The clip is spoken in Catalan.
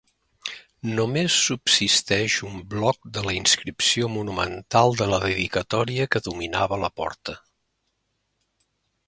Només subsisteix un bloc de la inscripció monumental de la dedicatòria que dominava la porta.